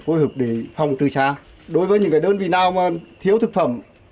với phòng trừ xa đối với những đơn vị nào mà thiếu thực phẩm